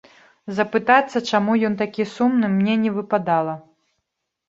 Запытацца, чаму ён такі сумны, мне не выпадала.